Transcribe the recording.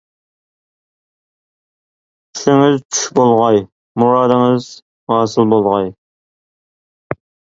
چۈشىڭىز چۈش بولغاي، مۇرادىڭىز ھاسىل بولغاي.